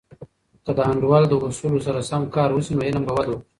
که د انډول د اصولو سره سم کار وسي، نو علم به وده وکړي.